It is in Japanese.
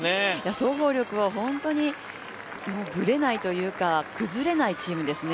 総合力は本当にぶれないというか崩れないチームですね。